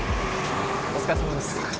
お疲れさまです。